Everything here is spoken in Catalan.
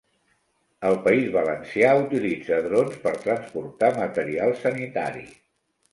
El País Valencià utilitza drons per transportar material sanitari.